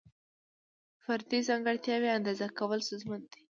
فردي ځانګړتیاوې اندازه کول ستونزمن دي.